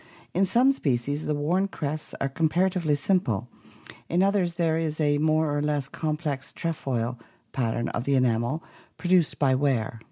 In some species the worn crests are comparatively simple, in others there is a more or less complex "trefoil" pattern of the enamel produced by wear.